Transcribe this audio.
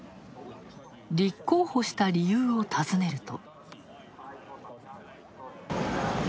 立候補した理由を尋ねると。